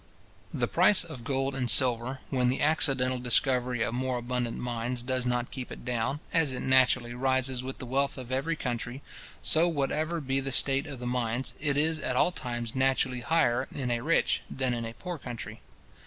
The price of gold and silver, when the accidental discovery of more abundant mines does not keep it down, as it naturally rises with the wealth of every country, so, whatever be the state of the mines, it is at all times naturally higher in a rich than in a poor country.